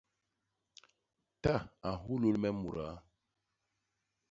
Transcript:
Ta a nhulul me mudaa.